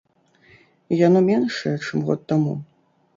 Яно меншае, чым год таму.